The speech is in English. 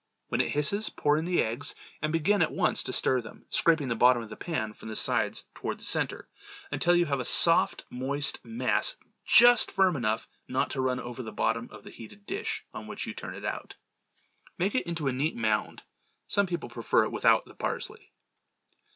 When it hisses, pour in the eggs, and begin at once to stir them, scraping the bottom of the pan from the sides toward the centre, until you have a soft, moist mass just firm enough not to run over the bottom of the heated dish on which you turn it out. Make it into a neat mound. Some people prefer it without the parsley.